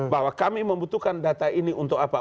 bahwa kami membutuhkan data ini untuk apa